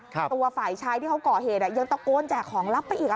ตัวฝ่ายชายที่เขาก่อเหตุยังตะโกนแจกของลับไปอีก